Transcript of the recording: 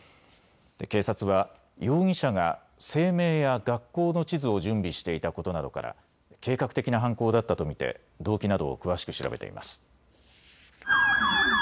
警察は容疑者が声明や学校の地図を準備していたことなどから計画的な犯行だったと見て動機などを詳しく調べています。